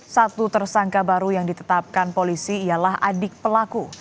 satu tersangka baru yang ditetapkan polisi ialah adik pelaku